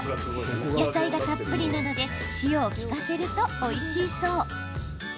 野菜がたっぷりなので塩を利かせると、おいしいそう。